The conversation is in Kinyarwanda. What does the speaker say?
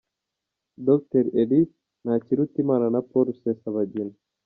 Dr. Elie Ntakirutimana na Paul Rusesabagina